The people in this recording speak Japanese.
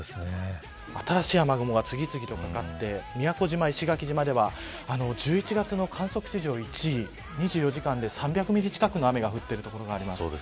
新しい雨雲が次々とかかって宮古島、石垣島では１１月の観測史上１位２４時間で３００ミリ近くの雨が降っている所があります。